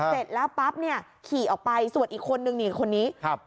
เสร็จแล้วปั๊บเนี่ยขี่ออกไปส่วนอีกคนนึงนี่คนนี้ครับ